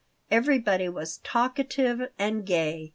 Everybody was talkative and gay.